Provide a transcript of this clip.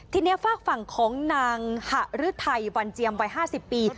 ทีนี้ฝากฝั่งของนางหะฤทัยวันเจียมวัย๕๐ปี